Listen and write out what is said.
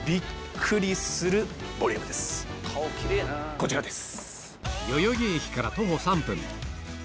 こちらです。